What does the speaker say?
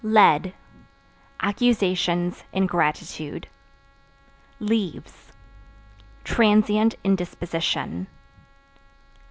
Lead Accusations, ingratitude. Leaves Transient indisposition.